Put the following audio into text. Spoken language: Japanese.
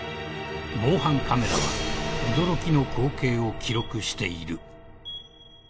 ［防犯カメラは驚きの光景を記録している］